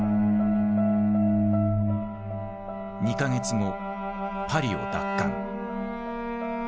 ２か月後パリを奪還。